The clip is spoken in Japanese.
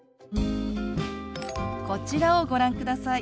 こちらをご覧ください。